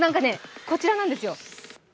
こちらなんですよ。